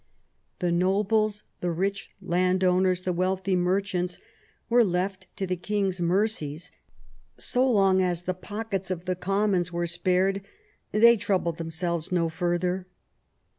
The nobles, the rich landowners, the wiealthy merchants, were left to the king's mercies ; so long as the pockets of the commons were spared they troubled themselves no further.